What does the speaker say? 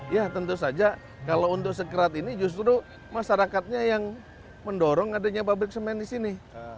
ya tentu saja kalau untuk sekrat ini justru masyarakatnya yang mendorong adanya pabrik semen di sini